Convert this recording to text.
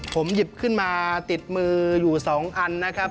ผมหยิบขึ้นมาติดมืออยู่๒อันนะครับ